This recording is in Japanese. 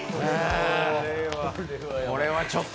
これはちょっと。